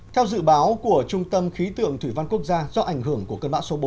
theo dự báo của trung tâm khí tượng thủy văn quốc gia do ảnh hưởng của cơn bão số bốn